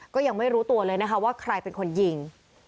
ก็ยังไม่รู้ตัวเลยนะคะว่าใครเป็นคนยิง